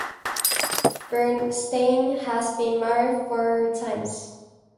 Bernstein has been married four times.